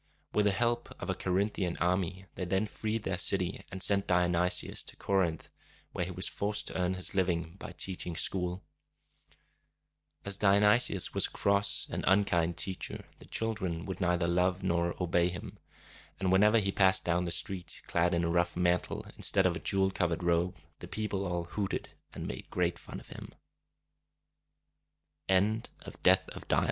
With the help of a Co rin´thi an army, they then freed their city, and sent Dionysius to Corinth, where he was forced to earn his living by teaching school. [Illustration: The people all hooted.] As Dionysius was a cross and unkind teacher, the children would neither love nor obey him; and whenever he passed down the street, clad in a rough mantle instead of a jewel covered robe, the people all hooted, and mad